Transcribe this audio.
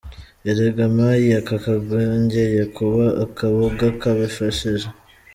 Erega mayi aka kongeye kuba akaboga k’abifashije”.